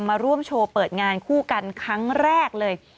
มาร่วมโชว์เปิดงานคู่กันครั้งแรกเลย